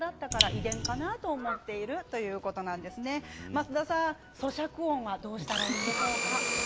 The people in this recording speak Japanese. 増田さん、そしゃく音はどうしたらいいんでしょうか？